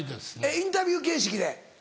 インタビュー形式で？